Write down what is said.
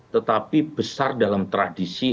tetapi besar dalam tradisi